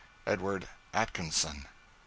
Edward Atkinson.